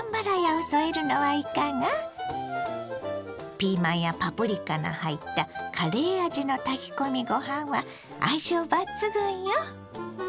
ピーマンやパプリカの入ったカレー味の炊き込みご飯は相性抜群よ。